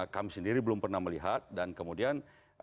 kami sendiri belum pernah melihat dan kemudian